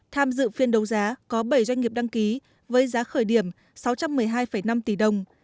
tham dự phiên đấu giá có bảy doanh nghiệp đăng ký với giá khởi điểm sáu trăm một mươi hai năm tỷ đồng